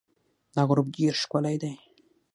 دا غروب ډېر ښکلی دی.